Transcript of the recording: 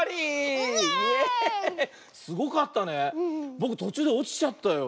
ぼくとちゅうでおちちゃったよ。